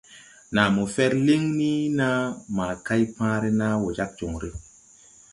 Naa mo fɛr liŋ ni naa ma kay paare naa wo jāg joŋre.